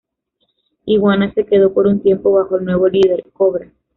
Iguana se quedó por un tiempo bajo el nuevo líder, Cobra.